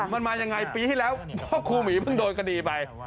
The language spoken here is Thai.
มันมายังไงปีที่แล้วพ่อครูหมีเพิ่งโดนคดีไป